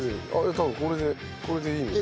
多分これでこれでいいんですよ